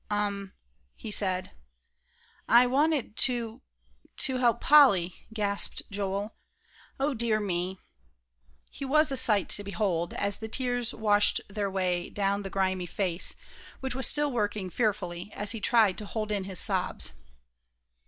"Um!" he said. "I wanted to to help Polly," gasped Joel. "O dear me!" He was a sight to behold, as the tears washed their way down the grimy face, which was still working fearfully, as he tried to hold in his sobs.